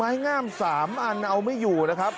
งาม๓อันเอาไม่อยู่นะครับ